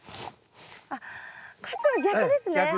あっこっちが逆ですね。